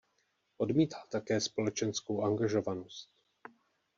Odmítal také společenskou angažovanost.